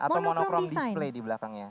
atau monocron display di belakangnya